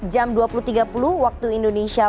jam dua puluh tiga puluh waktu indonesia